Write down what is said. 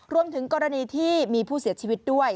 รวมถึงกรณีที่มีผู้เสียชีวิตด้วย